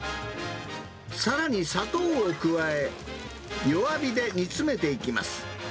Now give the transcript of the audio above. さらに砂糖を加え、弱火で煮詰めていきます。